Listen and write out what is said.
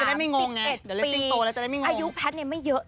เดี๋ยวเลสติงโตแล้วจะได้ไม่งง